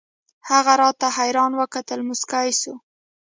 هغه راته حيران وكتل موسكى سو.